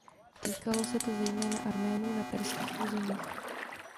Týkalo se to zejména Arménů na perských územích.